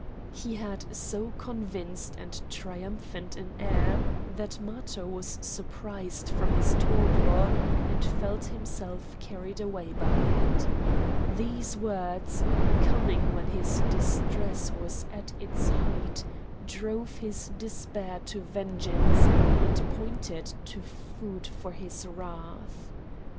He had so convinced and triumphant an air that Matho was surprised from his torpor, and felt himself carried away by it. These words, coming when his distress was at its height, drove his despair to vengeance, and pointed to food for his wrath.